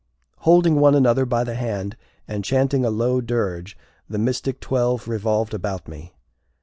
Holding one another by the hand, and chanting a low dirge, the Mystic Twelve revolved about me.